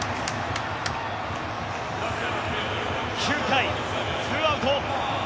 ９回、２アウト。